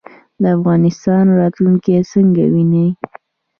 د افغانستان راتلونکی څنګه وینئ؟